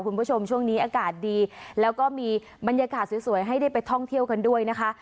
คุณผู้ชมช่วงนี้อากาศดีแล้วก็มีบรรยากาศสวยให้ได้ไปท่องเที่ยวกันด้วยนะคะ